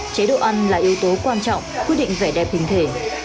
chế độ ăn là yếu tố quan trọng quyết định vẻ đẹp hình thể